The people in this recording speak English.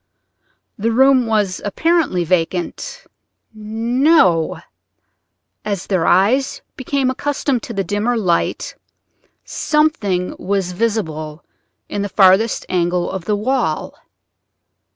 The room was apparently vacant—no; as their eyes became accustomed to the dimmer light something was visible in the farthest angle of the wall.